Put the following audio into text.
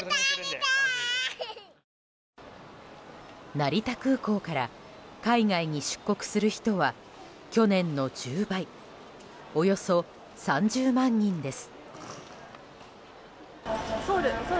成田空港から海外に出国する人は去年の１０倍およそ３０万人です。